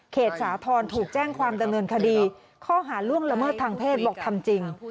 สาธรณ์ถูกแจ้งความดำเนินคดีข้อหาล่วงละเมิดทางเพศบอกทำจริง